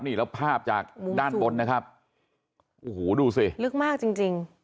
นี่แล้วภาพจากด้านบนนะครับโอ้โหดูสิลึกมากจริงจริง